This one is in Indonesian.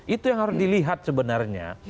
itu yang harus dilihat sebenarnya